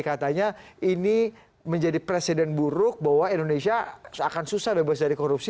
katanya ini menjadi presiden buruk bahwa indonesia akan susah bebas dari korupsi